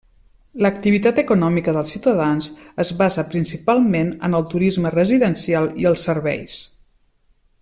L'activitat econòmica dels ciutadans es basa principalment en el turisme residencial i els serveis.